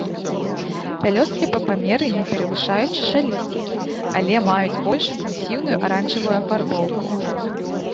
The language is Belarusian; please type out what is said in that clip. Пялёсткі па памеры не перавышаюць чашалісцікі, але маюць больш інтэнсіўную аранжавую афарбоўку.